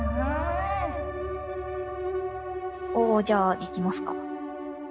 おおじゃあ行きますか。